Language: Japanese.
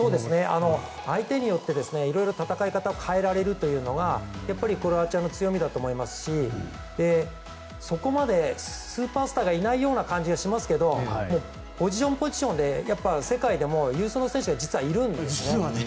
相手によって色々戦い方を変えられるというのがやっぱりクロアチアの強みだと思いますしそこまでスーパースターがいないような感じがしますけどポジションポジションで世界でも有数の選手がいるんですよね。